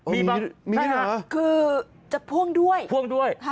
มีขี้เหรอคะคือจะพ่วงด้วยพ่วงด้วย